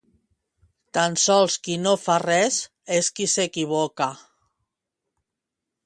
Tan sols qui no fa res és qui s'equivoca.